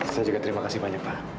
saya juga terima kasih banyak pak